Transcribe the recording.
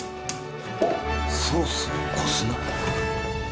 ソースをこすな